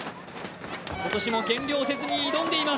今年も減量せずに挑んでいます。